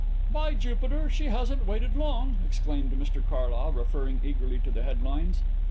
"By Jupiter, she hasn't waited long!" exclaimed Mr Carlyle, referring eagerly to the headlines.